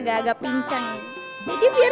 ni pengen mw menanjut major